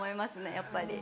やっぱり。